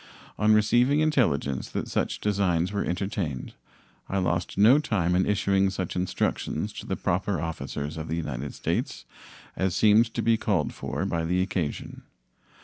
On receiving intelligence that such designs were entertained, I lost no time in issuing such instructions to the proper officers of the United States as seemed to be called for by the occasion.